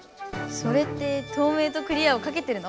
それって透明とクリアをかけてるの？